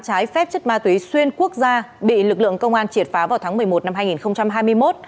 trái phép chất ma túy xuyên quốc gia bị lực lượng công an triệt phá vào tháng một mươi một năm hai nghìn hai mươi một